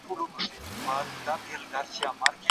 ځوانان د ټولنې د ملا تير دي.